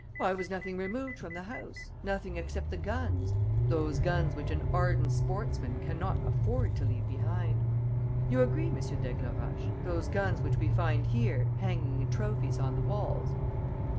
Why was nothing removed from the house, nothing except the guns, those guns which an ardent sportsman cannot afford to leave behind you agree, M. d'Aigleroche those guns which we find here, hanging in trophies on the walls!...